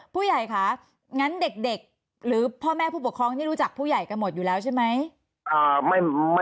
ผู้ใหญ่ค่ะงั้นเด็กหรือพ่อแม่ผู้ปกครองนี่รู้จักผู้ใหญ่กันหมดอยู่แล้วใช่ไหม